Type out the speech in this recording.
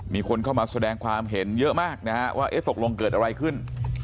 มีคนเข้ามาแสดงความเห็นเยอะมากนะฮะว่าตกลงเกิดอะไรขึ้น